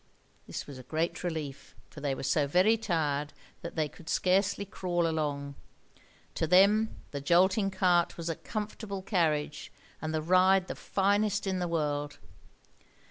This was a great relief, for they were so very tired that they could scarcely crawl along. To them the jolting cart was a comfortable carriage, and the ride the finest in the world.